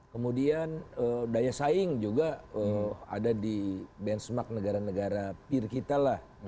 kemudian daya saing juga ada di benchmark negara negara peer kita lah